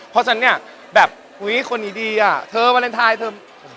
เพราะฉะนั้นเนี่ยแบบอุ๊ยคนนี้ดีอ่ะเธอวาเลนไทยเธอ